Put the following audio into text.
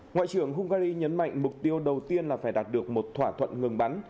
ngoại trưởng hungary nhấn mạnh mục tiêu đầu tiên là phải đạt được một thỏa thuận ngừng bắn